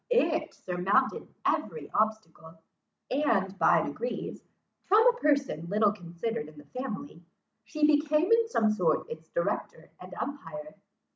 It surmounted every obstacle; and, by degrees, from a person little considered in the family, she became in some sort its director and umpire.